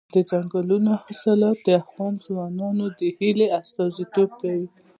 دځنګل حاصلات د افغان ځوانانو د هیلو استازیتوب کوي.